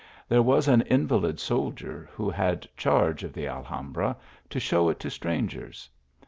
There was an invalid soldier, who had charge of the Alhambra, to show it to strangers.